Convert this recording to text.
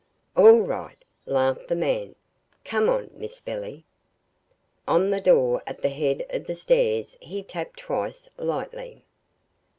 "All right," laughed the man. "Come on, Miss Billy." On the door at the head of the stairs he tapped twice, lightly.